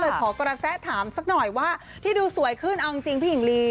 ขอกระแสถามสักหน่อยว่าที่ดูสวยขึ้นเอาจริงพี่หญิงลี